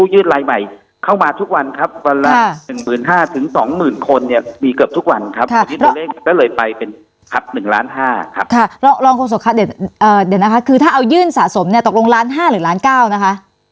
มีเกือบทุกวันครับกิจการเล็กก็เลยไปเป็นครับ๑ล้าน๕ครับค่ะลองโครงสรุปครับเดี๋ยวนะคะคือถ้าเอายื่นสะสมเนี่ยตกลงล้านห้าหรือล้านเก้านะคะ